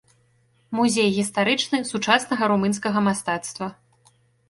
Музей гістарычны, сучаснага румынскага мастацтва.